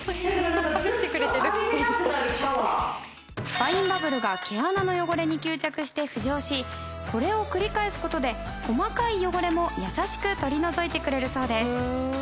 ファインバブルが毛穴の汚れに吸着して浮上しこれを繰り返す事で細かい汚れも優しく取り除いてくれるそうです。